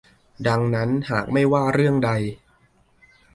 ดังนั้นหากไม่ว่าเรื่องใด